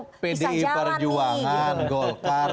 bisa jalan nih pdi perjuangan golkar